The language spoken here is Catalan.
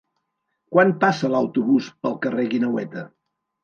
Quan passa l'autobús pel carrer Guineueta?